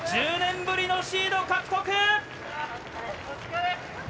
１０年ぶりのシード獲得。